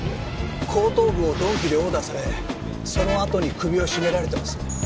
後頭部を鈍器で殴打されそのあとに首を絞められてます。